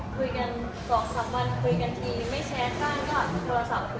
ฟื้อกัน๒๓วันฟื้อกันทีไม่แช็คบ้างครับจริง